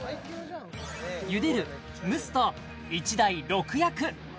茹でる蒸すと１台６役！